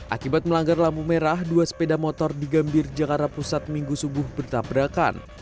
akibat melanggar lampu merah dua sepeda motor di gambir jakarta pusat minggu subuh bertabrakan